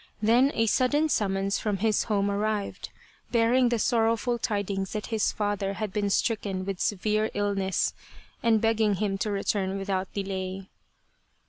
Then a sudden summons from his home arrived, bearing the sorrowful tidings that his father had been stricken with severe illness, and begging him to return without delay.